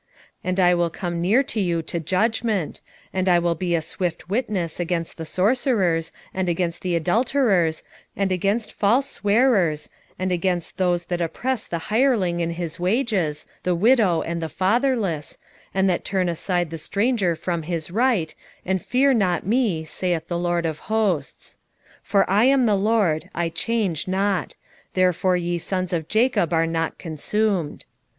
3:5 And I will come near to you to judgment; and I will be a swift witness against the sorcerers, and against the adulterers, and against false swearers, and against those that oppress the hireling in his wages, the widow, and the fatherless, and that turn aside the stranger from his right, and fear not me, saith the LORD of hosts. 3:6 For I am the LORD, I change not; therefore ye sons of Jacob are not consumed.